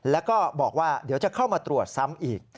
แล้วก็บอกว่าเดี๋ยวจะเข้ามาตรวจซ้ำอีก